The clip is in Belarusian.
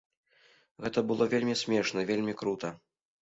Гэта было вельмі смешна, вельмі крута.